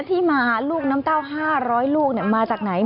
ที่มาลูกน้ำเต้า๕๐๐ลูกมาจากไหน